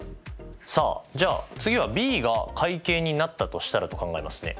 さあじゃあ次はＢが会計になったとしたらと考えますね。